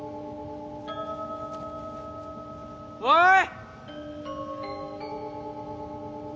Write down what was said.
おい！